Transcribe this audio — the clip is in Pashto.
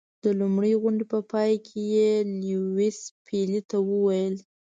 د لومړۍ غونډې په پای کې یې لیویس پیلي ته وویل.